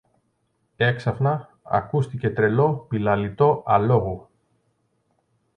Έξαφνα ακούστηκε τρελό πηλαλητό αλόγου.